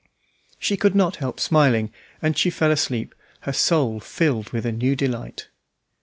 She could not help smiling, and she fell asleep, her soul filled with a new delight.